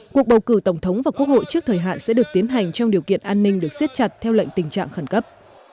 cuộc bầu cử tổng thống và quốc hội trước thời hạn sẽ được tiến hành trong điều kiện an ninh được xếp chặt theo lệnh tình trạng khẩn cấp